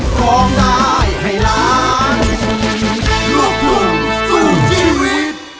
โปรดติดตามตอนต่อไป